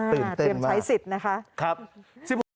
ตื่นเต้นมากครับสิบหกเตรียมใช้สิทธิ์นะคะ